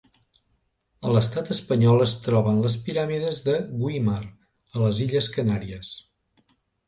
A l'Estat espanyol es troben les Piràmides de Güímar, a les illes Canàries.